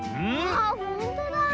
あっほんとだ！